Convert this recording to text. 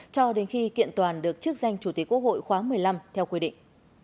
cho đến khi kiện toàn được chức danh chủ tịch quốc hội khóa một mươi năm theo quy định